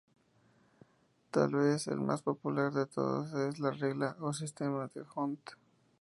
Tal vez el más popular de todos es la regla o sistema D'Hondt.